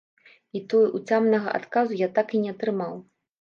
І тое ўцямнага адказу я так і не атрымаў.